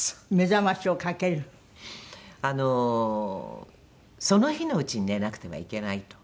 あのその日のうちに寝なくてはいけないと。